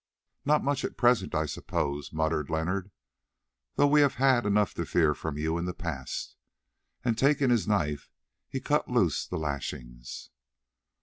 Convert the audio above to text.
"Not much at present, I suppose," muttered Leonard, "though we have had enough to fear from you in the past." And taking his knife he cut loose the lashings.